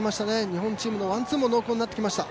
日本チームのワンツーも濃厚になってきました。